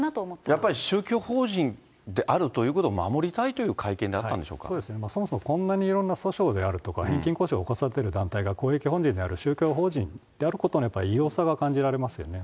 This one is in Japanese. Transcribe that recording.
やっぱり宗教法人であるということを守りたいという会見だっそうですね、そもそもいろんなこんな訴訟ですとか、返金訴訟を起こされてる団体が公益法人である宗教法人であることに、やっぱり異様さが感じられますよね。